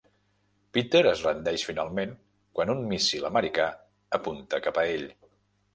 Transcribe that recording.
Peter es rendeix finalment quan un míssil americà apunta cap a ell.